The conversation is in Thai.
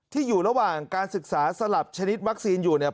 อยู่ระหว่างการศึกษาสลับชนิดวัคซีนอยู่เนี่ย